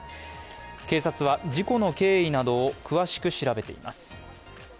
警察は事故の経緯などを詳しく調べています。